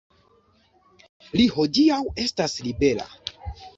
Li hodiaŭ estas libera.